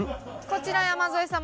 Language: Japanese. こちら山添さん